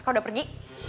rka udah pergi